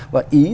và ý tôi là